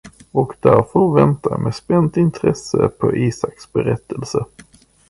Och därför väntar jag med spänt intresse på Isaks berättelse.